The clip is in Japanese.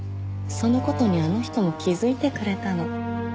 その事にあの人も気づいてくれたの。